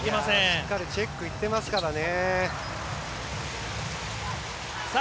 しっかりチェックいっていますからね。